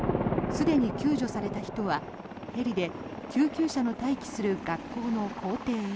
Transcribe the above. すでに救助された人はヘリで救急車の待機する学校の校庭へ。